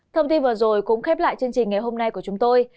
thông tin vừa rồi cũng khép lại chương trình ngày hôm nay của chúng tôi